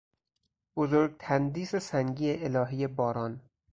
بزرگ تندیس سنگی الههی باران